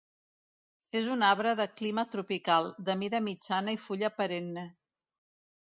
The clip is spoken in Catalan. És un arbre de clima tropical, de mida mitjana i fulla perenne.